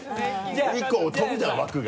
１個飛ぶじゃん枠が。